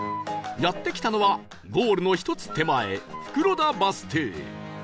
やって来たのはゴールの１つ手前袋田バス停